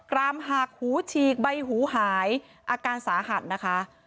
รามหักหูฉีกใบหูหายอาการสาหัสนะคะ